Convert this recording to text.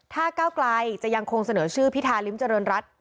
ถ้าก้าวไกลจะยังคงเสนอชื่อพิธาริมเจริญรัฐ